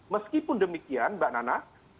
meskipun demikian mbak nana